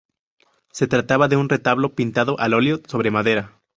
Se trataba de un retablo, pintado al óleo sobre madera.